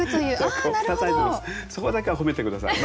そこだけは褒めて下さい。